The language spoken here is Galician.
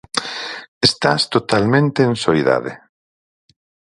Estás totalmente en soidade.